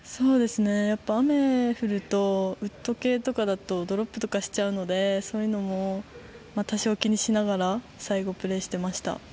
雨が降ると、ウッド系とかだとドロップとかしちゃうのでそういうのも多少気にしながら最後プレーしていました。